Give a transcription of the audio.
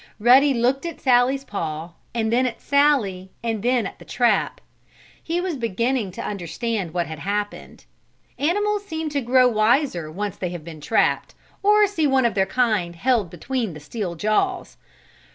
Ruddy looked at Sallie's paw and then at Sallie and then at the trap. He was beginning to understand what had happened. Animals seem to grow wiser once they have been trapped, or see one of their kind held between the steel jaws.